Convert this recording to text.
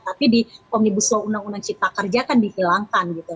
tapi di komnibus law unang unang cipta kerja kan dihilangkan gitu